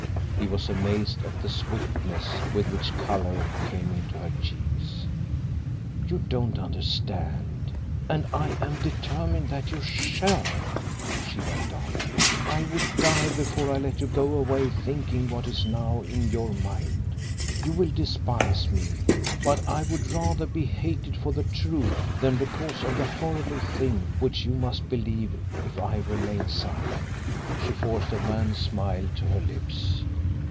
He was amazed at the swiftness with which color came into her cheeks. "You don't understand, and I am determined that you shall," she went on. "I would die before I let you go away thinking what is now in your mind. You will despise me, but I would rather be hated for the truth than because of the horrible thing which you must believe if I remain silent." She forced a wan smile to her lips.